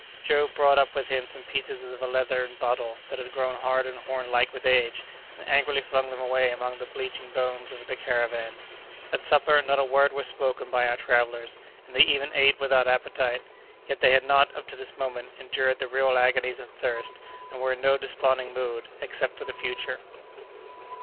Joe brought up with him some pieces of a leathern bottle that had grown hard and horn like with age, and angrily flung them away among the bleaching bones of the caravan. At supper, not a word was spoken by our travellers, and they even ate without appetite. Yet they had not, up to this moment, endured the real agonies of thirst, and were in no desponding mood, excepting for the future.